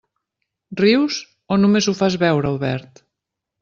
Rius o només ho fas veure, Albert?